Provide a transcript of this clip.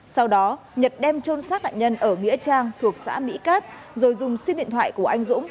sau đó nhật đem trôn sát nạn nhân ở nghĩa trang thuộc xã mỹ cát rồi dùng sim điện thoại của anh dũng